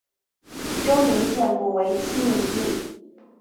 周宁县古为七闽地。